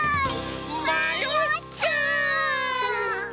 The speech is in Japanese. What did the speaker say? まよっちゃう！